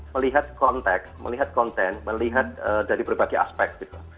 mereka melihat konten melihat dari berbagai aspek